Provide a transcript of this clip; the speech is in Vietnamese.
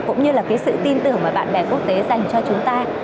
cũng như là cái sự tin tưởng mà bạn bè quốc tế dành cho chúng ta